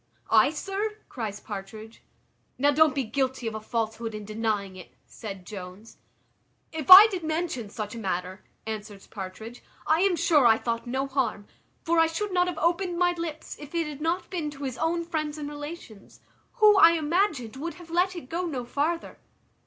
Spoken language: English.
"I, sir?" cries Partridge. "Now don't be guilty of a falsehood in denying it," said Jones. "If I did mention such a matter," answers Partridge, "I am sure I thought no harm; for I should not have opened my lips, if it had not been to his own friends and relations, who, I imagined, would have let it go no farther."